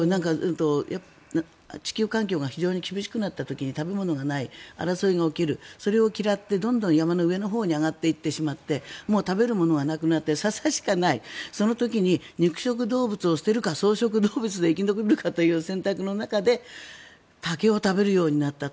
地球環境が非常に厳しくなった時に食べ物がない争いが起きるそれを嫌ってどんどん山の上のほうに上がっていってしまってもう食べるものがなくなってササしかないその時に肉食動物を捨てるか草食動物で生き残るかという選択の中で竹を食べるようになったと。